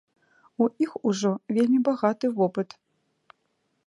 У іх ужо вельмі багаты вопыт.